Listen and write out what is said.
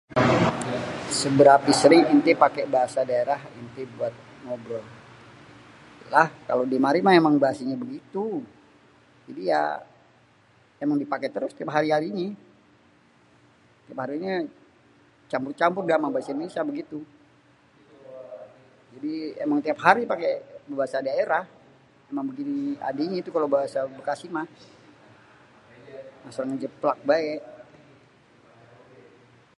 """Seberape sering enté pake bahasa daerah dibuat ngobrol?"", lah kalo di mari mah emang bahasa nya begitu, jadi ya emang dipaké terus emang hari-harinyé. Tiap harinyé campur-campur dah sama bahasa Indonesia begitu, jadi emang tiap hari pake bahasa daerah, emang adenye begini ade bahasa daerah Bekasi mah, asal ngejeplak baé."